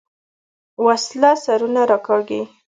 وسله سرونه راکاږي